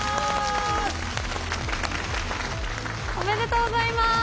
おめでとうございます。